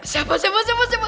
siapa siapa siapa siapa